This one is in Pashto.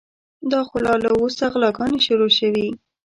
دا خو لا له اوسه غلاګانې شروع شوې.